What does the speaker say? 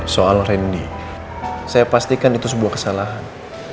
soal randy saya pastikan itu sebuah kesalahan